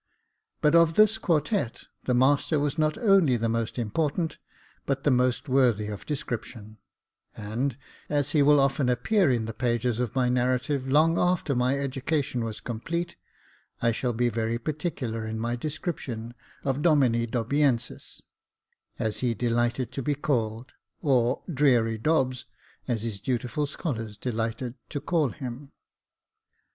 But of this quartette, the master was not only the most im portant, but the most worthy of description ; and, as he will often appear in the pages of my narrative long after my education was complete, I shall be very particular in my description of Domine Dobiensis, as he delighted to be called, or Dreary Dobs, as his dutiful scholars delighted to call him.